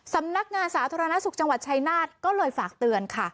สำนักงานสาธารณสุขจังหวัดชายนาฏก็เลยฝากเตือนค่ะ